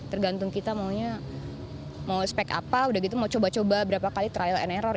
tergantung kita maunya mau spek apa udah gitu mau coba coba berapa kali trial and error